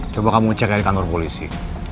coba kamu cek ya di kantor polisi